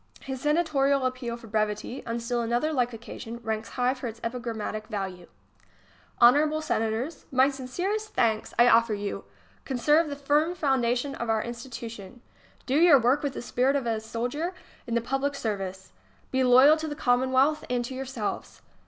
His senatorial appeal for brevity, on still another like occasion, ranks high for its epigrammatic value : Honorable Senators, my sincere st thanks I offer you. Conserve the firm foundation of our institutions . Do your work with the spirit of a soldier in the public service. Be loyal to the Commomvealth and to yourselves.